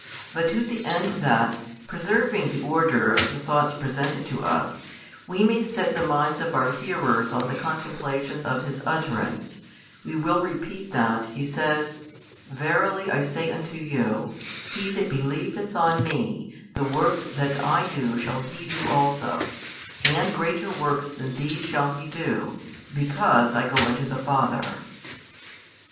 But to the end that, preserving the order of the thoughts presented to us, we may set the minds of our hearers on the contemplation of His |294 utterance, [we will repeat that] He says: Verily, I say unto you, he that believeth on Me, the works that I do shall he do also; and greater works than these shall he do; because I go unto the Father.